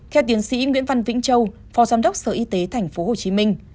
theo tiến sĩ nguyễn văn vĩnh châu phó giám đốc sở y tế tp hcm